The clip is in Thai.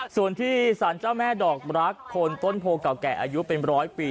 ส่วนที่สารเจ้าแม่ดอกรักโคนต้นโพเก่าแก่อายุเป็นร้อยปี